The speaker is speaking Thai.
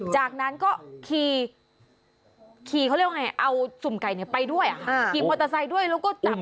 จากนั้นก็ขี่เขาเรียกว่าไงเอาสุ่มไก่ไปด้วยขี่มอเตอร์ไซค์ด้วยแล้วก็จับ